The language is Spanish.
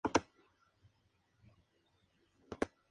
Franklin se casó con Caswell Garth, escritor de sketches de revista.